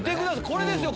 これですよ。